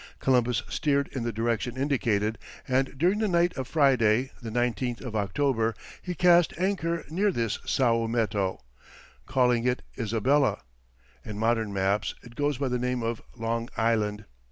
Columbus steered in the direction indicated, and during the night of Friday, the 19th of October, he cast anchor near this Saometo, calling it Isabella; in modern maps it goes by the name of Long Island.